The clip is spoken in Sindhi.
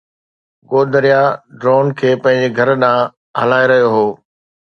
گودريا ڍورن کي پنھنجي گھر ڏانھن ھلائي رھيو ھو.